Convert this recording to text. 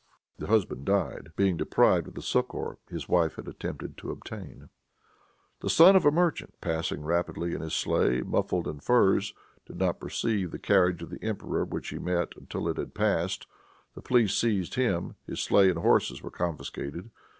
The husband died, being deprived of the succor his wife had attempted to obtain. The son of a rich merchant, passing rapidly in his sleigh, muffled in furs, did not perceive the carriage of the emperor which he met, until it had passed. The police seized him; his sleigh and horses were confiscated.